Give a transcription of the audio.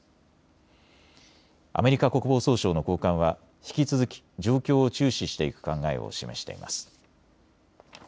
アメリカ国防総省の高官は引き続き状況を注視していく考えを示しています。